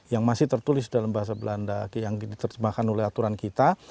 yang masih tertulis dalam bahasa belanda yang diterjemahkan oleh aturan kita